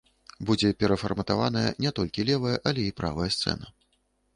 Будзе перафарматаваная не толькі левая, але і правая сцэна.